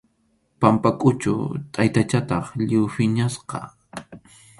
Pampakʼuchu taytachataq lliw phiñasqa.